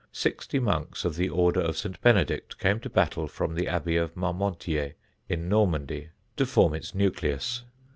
Sixty monks of the Order of St. Benedict came to Battle from the Abbey of Marmontier in Normandy, to form its nucleus.